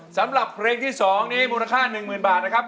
สำหรับเครงที่สองนี้มูลค่า๑หมื่นบาทนะครับ